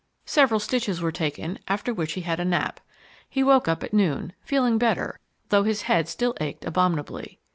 Several stitches were taken, after which he had a nap. He woke up at noon, feeling better, though his head still ached abominably.